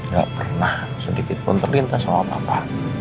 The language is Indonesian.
gak pernah sedikit pun terlintas sama papa